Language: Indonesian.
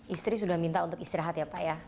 istri sudah minta untuk istirahat ya pak ya